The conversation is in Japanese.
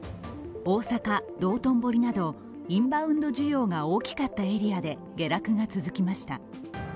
大阪・道頓堀などインバウンド需要が大きかったエリアで下落が続きました。